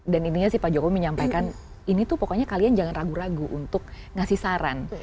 dan intinya sih pak jokowi menyampaikan ini tuh pokoknya kalian jangan ragu ragu untuk ngasih saran